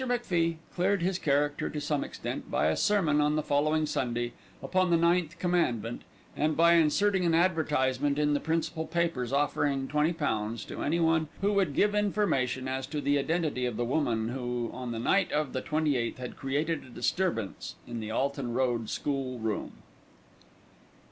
MacFie cleared his character to some extent by a sermon on the following Sunday upon the ninth commandment, and by inserting an advertisement in the principal papers offering £20 to anyone who would give information as to the identity of the woman who on the night of the 28th had created a disturbance in the Alton Road School Room.